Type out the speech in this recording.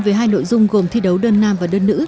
với hai nội dung gồm thi đấu đơn nam và đơn nữ